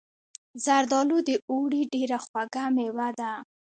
زردالو د اوړي ډیره خوږه میوه ده.